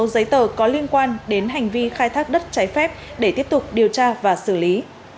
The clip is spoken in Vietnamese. giấy tờ có liên quan đến hành vi khai thác đất trái phép để tiếp tục điều tra và xử lý